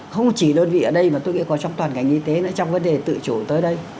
không chỉ đơn vị ở đây mà tôi có trong toàn ngành y tế nữa trong vấn đề tự chủ tới đây